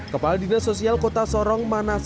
kepala dinas sosial kota sorong manas